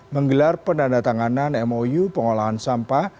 menggelar penanda tanganan mou pengolahan sampah